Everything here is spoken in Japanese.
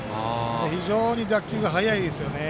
非常に打球が速いですよね。